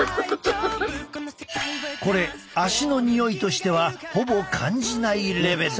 これ足のにおいとしてはほぼ感じないレベル！